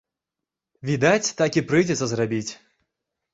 Відаць, так і прыйдзецца зрабіць.